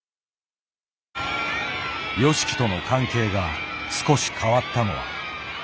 ＹＯＳＨＩＫＩとの関係が少し変わったのは。